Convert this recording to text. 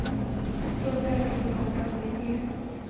坐在厨房的门边